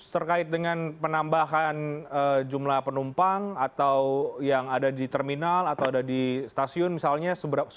terkait dengan penambahan jumlah penumpang atau yang ada di terminal atau ada di stasiun misalnya